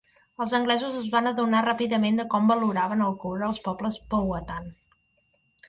Els anglesos es van adonar ràpidament de com valoraven el coure els pobles Powhatan.